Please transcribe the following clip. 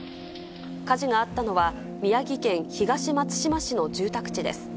火事があったのは、宮城県東松島市の住宅地です。